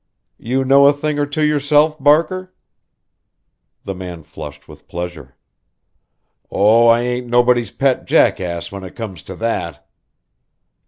"You know a thing or two yourself, Barker?" The man flushed with pleasure. "Oh, I ain't nobody's pet jackass, when it comes to that!"